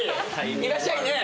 いらっしゃいね。